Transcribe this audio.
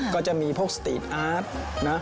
ก็จะมีพวกสตีทอาร์ตนะ